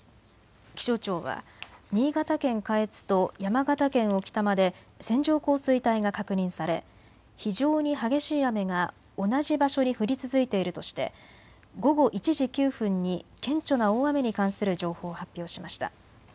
気象庁は新潟県下越と山形県置賜で線状降水帯が確認され非常に激しい雨が同じ場所に降り続いているとして午後１時９分に顕著な大雨に関する情報を発表しました。